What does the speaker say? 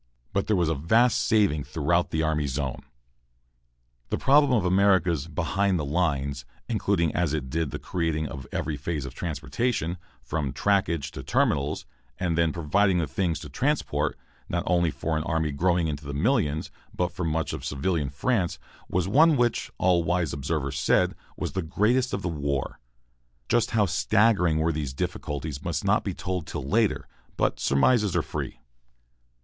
But there was a vast saving throughout the army zone. The problem of America's "behind the lines," including as it did the creating of every phase of transportation, from trackage to terminals, and then providing the things to transport, not only for an army growing into the millions, but for much of civilian France, was one which, all wise observers said, was the greatest of the war. Just how staggering were these difficulties must not be told till later, but surmises are free.